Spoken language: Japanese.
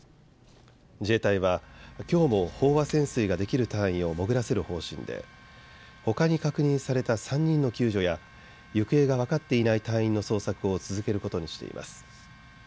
自衛隊は、きょうも飽和潜水ができる隊員を潜らせる方針でほかに確認された３人の救助や行方が分かっていない隊員の捜索を続けることにしています。